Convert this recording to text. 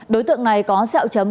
đối tượng này có xeo chấm